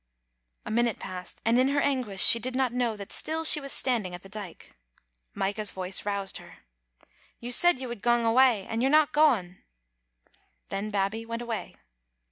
A minute passed, and in her anguish she did not know that still she was standing at the dyke. Micah 's voice roused her: "You said you would gang awa, and you're no gaen." Then Babbie went away.